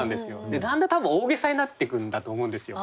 でだんだん多分大げさになってくんだと思うんですよ。